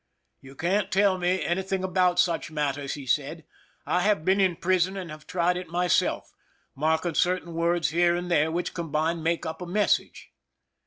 " You can't tell me anything about such matters," he said. " I have been in prison and have tried it myself —mark ing certain words here and there which, combined, made up a message."